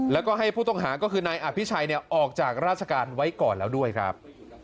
แล้วก็ให้ผู้ต้องหาก็คือนายอภิชัยออกจากราชการไว้ก่อนแล้วด้วยครับ